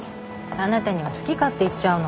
あなたには好き勝手言っちゃうの。